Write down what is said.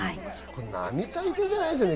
並大抵じゃないですね